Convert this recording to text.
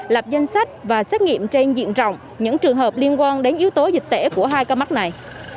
lập danh sách và xét nghiệm trên diện rộng những trường hợp liên quan đến yếu tố dịch tễ của hai ca mắc này